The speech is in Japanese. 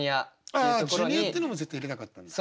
「Ｊｒ．」っていうのも絶対入れたかったんだ。